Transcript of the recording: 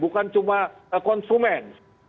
bukan cuma konsumen